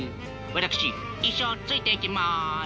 私一生ついていきます。